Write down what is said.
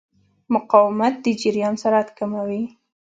مقاومت د جریان سرعت کموي.